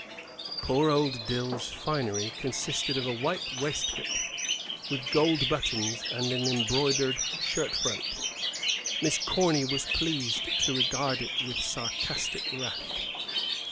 Poor old Dill's "finery" consisted of a white waistcoat with gold buttons, and an embroidered shirt front. Miss Corny was pleased to regard it with sarcastic wrath.